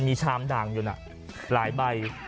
มีชามด่างอยู่น่ะหลายใบ